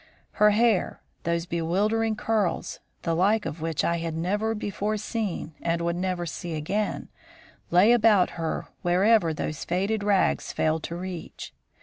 Her hair those bewildering curls, the like of which I had never before seen and would never see again, lay about her wherever those faded rags failed to reach.